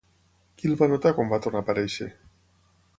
Qui el va notar quan va tornar a aparèixer?